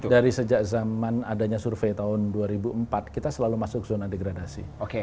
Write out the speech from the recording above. dari sejak zaman adanya survei tahun dua ribu empat kita selalu masuk zona degradasi